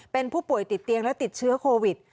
เป็นผู้ป่วยติดเตียงและติดเชื้อโควิด